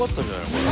これ。